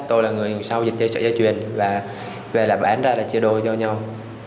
tôi là người ngồi sau dịch sợi dây chuyền và về lại bán ra là chia đôi cho nhau